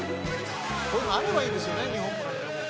「こういうのあればいいんですよね日本も」